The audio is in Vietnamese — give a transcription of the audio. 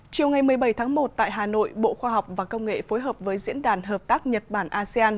chiều ngày một mươi bảy tháng một tại hà nội bộ khoa học và công nghệ phối hợp với diễn đàn hợp tác nhật bản asean